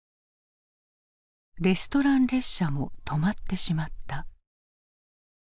レストラン列車も止まってしまった。